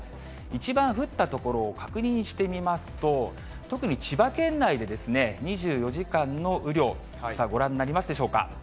一番降った所を確認してみますと、特に千葉県内で２４時間の雨量、ご覧になりますでしょうか。